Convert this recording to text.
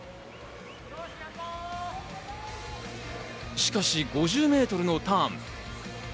しかし、５０ｍのターン。